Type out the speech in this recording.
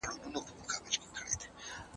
د محصلینو پایلیکونه د استادانو لخوا ارزول کیږي.